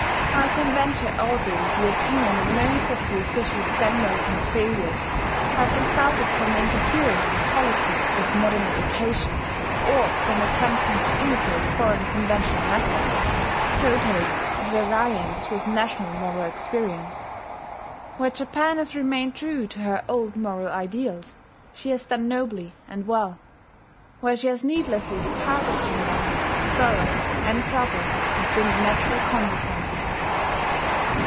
I can venture also the opinion that most of the official scandals and failures have resulted from the interference of politics with modern education, or from attempting to imitate foreign conventional methods totally at variance with national moral experience. Where Japan has remained true to her old moral ideals she has done nobly and well: where she has needlessly departed from them, sorrow and trouble have been the natural consequences.